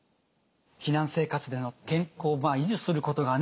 避難生活での健康を維持することがね